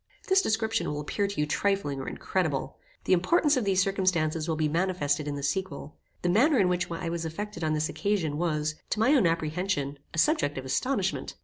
This description will appear to you trifling or incredible. The importance of these circumstances will be manifested in the sequel. The manner in which I was affected on this occasion, was, to my own apprehension, a subject of astonishment.